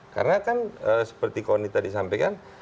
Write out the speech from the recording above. karena kan seperti kawan tadi sampaikan